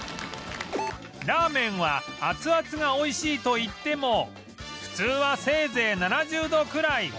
ラーメンは熱々が美味しいといっても普通はせいぜい７０度くらい